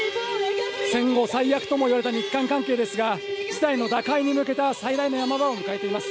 戦後最悪とも言われた日韓関係ですが、事態の打開に向けた最大の山場を迎えています。